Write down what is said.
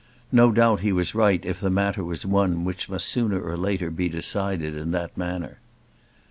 No doubt he was right if the matter was one which must sooner or later be decided in that manner.